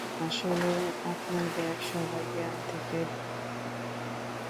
আসলে, আপনার ব্যাগ সবাই জ্ঞান থেকে ভারী!